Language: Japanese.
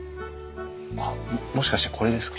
あっもしかしてこれですか？